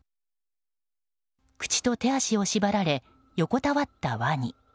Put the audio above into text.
口と手足を縛られ横たわったワニ。